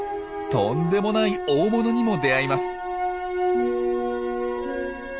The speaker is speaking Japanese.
とんでもない大物にも出会います。